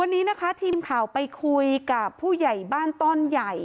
วันนี้นะคะทีมข่าวไปคุยกับผู้ใหญ่บ้านต้อนใหญ่